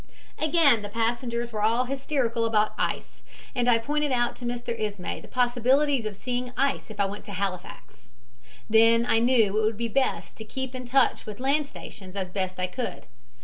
"Again, the passengers were all hysterical about ice, and I pointed out to Mr. Ismay the possibilities of seeing ice if I went to Halifax. Then I knew it would be best to keep in touch with land stations as best I could.